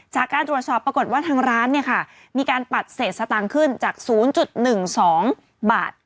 จากการตรวจสอบปรากฏว่าทางร้านเนี่ยค่ะมีการปัดเศษสตางค์ขึ้นจาก๐๑๒บาท